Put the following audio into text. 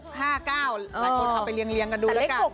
หลายคนเอาไปเรียงกันดูแล้วกัน